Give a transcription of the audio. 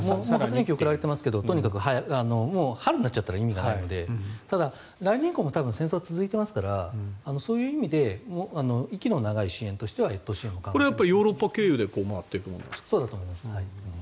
もう送られていますが春になっちゃったら意味がないのでただ、来年以降も多分戦争は続いていますからそういう意味で息の長い支援としてはこれはヨーロッパ経由でそうだと思います。